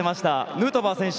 ヌートバー選手。